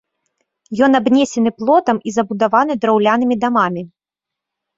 Ён абнесены плотам і забудаваны драўлянымі дамамі.